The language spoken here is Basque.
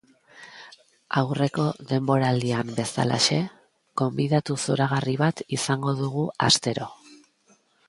Aurreko denboraldian bezalaxe, gonbidatu zoragarri bat izango dugu astero.